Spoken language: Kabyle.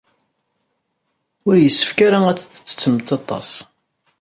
Ur yessefk ara ad tettettemt aṭas.